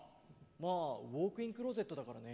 まあ、ウォークインクローゼットだからね。